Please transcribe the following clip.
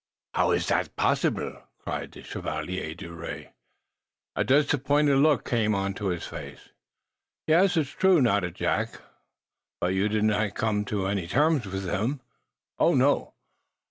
"How? Is zat posseeble?" cried the Chevalier d'Ouray, a disappointed look coming into his face. "Yes; it's true," nodded Jack. "But you did not come to any terms wiz him?" "Oh, no!"